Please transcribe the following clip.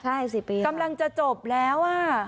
ใช่๔ปีครับค่ะกำลังจะจบแล้ว